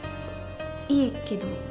いいけど。